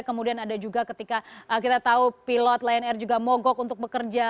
kemudian ada juga ketika kita tahu pilot lion air juga mogok untuk bekerja